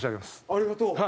ありがとう。